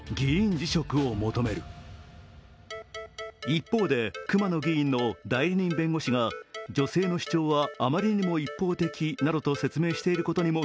一方で、熊野議員の代理人弁護士が女性の主張はあまりにも一方的などと説明していることにも